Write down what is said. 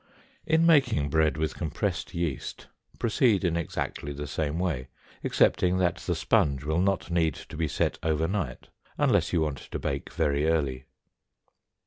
In making bread with compressed yeast proceed in exactly the same way, excepting that the sponge will not need to be set over night, unless you want to bake very early.